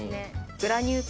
グラニュー糖。